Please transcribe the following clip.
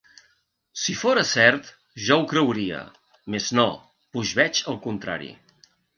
Si fora cert, jo ho creuria; mes no, puix veig el contrari.